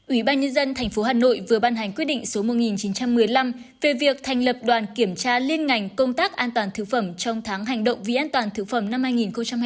ủy ban nhân dân tp hà nội vừa ban hành quyết định số một nghìn chín trăm một mươi năm về việc thành lập đoàn kiểm tra liên ngành công tác an toàn thực phẩm trong tháng hành động vì an toàn thực phẩm năm hai nghìn hai mươi